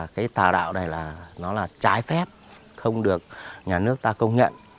cái tà đạo này là trái phép không được nhà nước ta công nhận